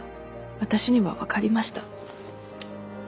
私には分かりました。